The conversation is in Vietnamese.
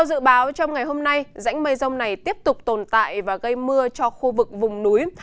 dự báo trong ngày hôm nay dãnh mây rông này tiếp tục tồn tại và gây mưa cho khu vực vùng núi